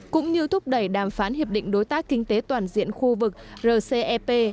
cũng như thúc đẩy đàm phán hiệp định đối tác kinh tế toàn diện khu vực rcep